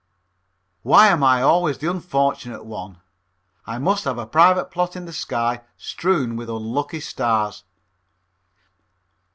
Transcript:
Why am I always the unfortunate one? I must have a private plot in the sky strewn with unlucky stars.